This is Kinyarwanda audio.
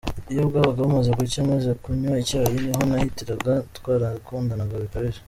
Iyo bwabaga bumaze gucya maze kunywa icyayi niho nahitiraga twarakundanaga bikabije.